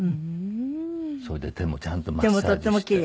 それで手もちゃんとマッサージして。